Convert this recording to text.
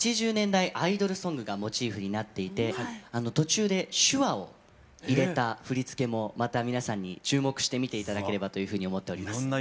８０年代アイドルソングがモチーフになっていて途中で手話を入れた振り付けもまた皆さんに注目して見て頂ければというふうに思っております。